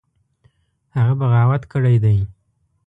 هغه بغاوت کړی دی.